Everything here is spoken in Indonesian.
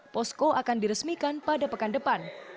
posko akan diresmikan pada pekan depan